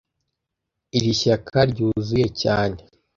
Iri shyaka ryuzuye cyane